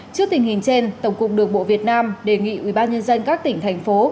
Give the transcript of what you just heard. trước tình hình trên tổng cục đường bộ việt nam đề nghị ubnd các tỉnh thành phố